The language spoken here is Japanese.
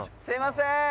すみません。